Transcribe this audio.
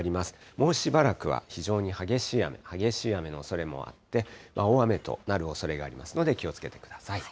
もうしばらくは非常に激しい雨、激しい雨のおそれもあって、大雨となるおそれがありますので、気をつけてください。